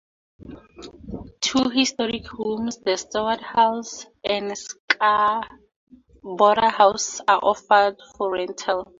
Two historic homes, the Steward's House and Scarborough House, are offered for rental.